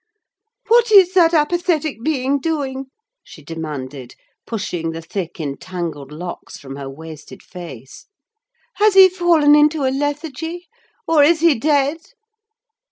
"What is that apathetic being doing?" she demanded, pushing the thick entangled locks from her wasted face. "Has he fallen into a lethargy, or is he dead?"